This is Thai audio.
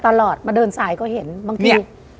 ตลอดมาเดินสายก็เห็นบางที